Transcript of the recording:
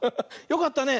よかったね。